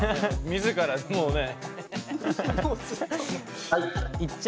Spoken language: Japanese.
自らもうね。